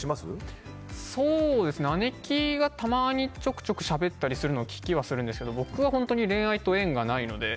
姉貴がたまにちょくちょくしゃべったりするのを聞きはしますけど、僕は恋愛と縁がないので。